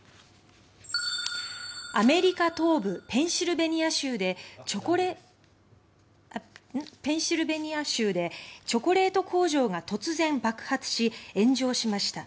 アメリカ東部ペンシルベニア州でチョコレート工場が突然、爆発し炎上しました。